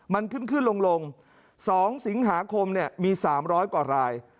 มันขึ้นขึ้นลง๒สิงหาคมมี๓๐๐กว่าราย